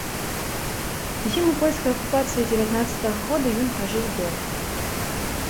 Зіму польскай акупацыі дзевятнаццатага года ён пражыў дома.